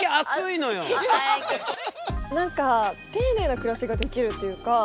何か丁寧な暮らしができるというか。